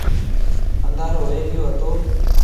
انڌارو ھوئي گيو تو۔